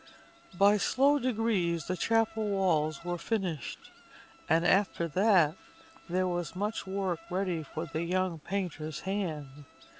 By slow degrees the chapel walls were finished, and after that there was much work ready for the young painter's hand.